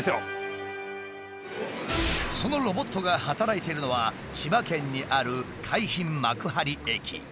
そのロボットが働いてるのは千葉県にある海浜幕張駅。